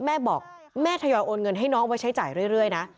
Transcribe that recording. แม่บอกแม่ทยอยโอนเงินให้น้องไว้ใช้จ่ายเรื่อยนะ